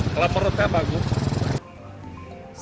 kalau menurut saya bagus